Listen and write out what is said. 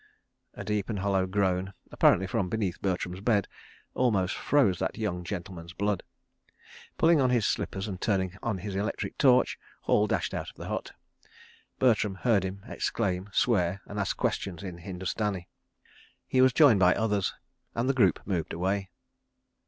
A deep and hollow groan, apparently from beneath Bertram's bed, almost froze that young gentleman's blood. Pulling on his slippers and turning on his electric torch, Hall dashed out of the hut. Bertram heard him exclaim, swear, and ask questions in Hindustani. He was joined by others, and the group moved away.